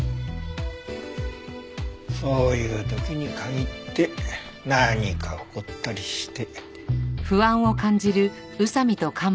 そういう時に限って何か起こったりして。